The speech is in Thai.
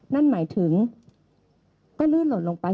นั่นหมายถึงก็ลื่นหล่นลงไป